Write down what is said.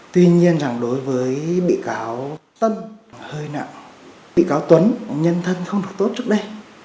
tuy nhiên rằng đối với bị cáo tân là hơi nặng bị cáo tuấn nhân thân không được tốt trước đây